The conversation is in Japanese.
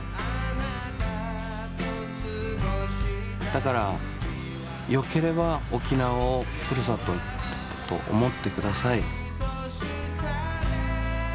だからよければ沖縄をふるさとと思ってください。